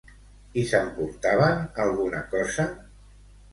I s'emportaven alguna cosa?